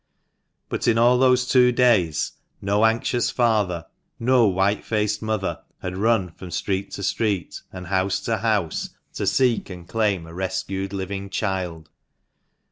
But in all those two days no anxious father, no white faced mother, had run from street to street, and house to house, to seek and claim a rescued living child.